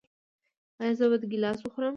ایا زه باید ګیلاس وخورم؟